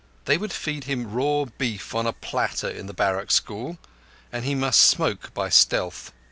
They would feed him raw beef on a platter at the barrack school, and he must smoke by stealth.